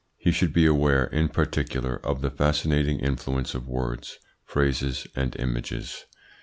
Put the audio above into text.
He should be aware, in particular, of the fascinating influence of words, phrases, and images.